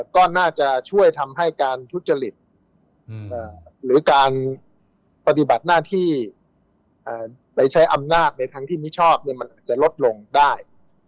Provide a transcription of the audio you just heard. ก็น่าจะช่วยทำให้การทุจริตหรือการปฏิบัติหน้าที่ไปใช้อำนาจในทางที่มิชอบมันอาจจะลดลงได้